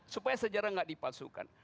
supaya sejarah nggak dipalsukan